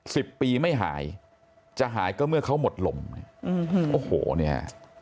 สิบปีไม่หายจะหายก็เมื่อเขาหมดลมเนี่ยอืมโอ้โหเนี่ย